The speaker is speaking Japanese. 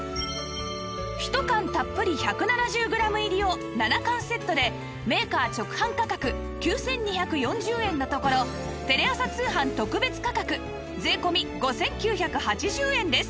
１缶たっぷり１７０グラム入りを７缶セットでメーカー直販価格９２４０円のところテレ朝通販特別価格税込５９８０円です